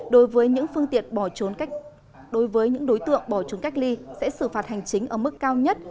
đối với những đối tượng bỏ trốn cách ly sẽ xử phạt hành chính ở mức cao nhất